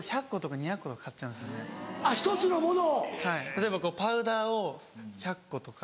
例えばパウダーを１００個とか。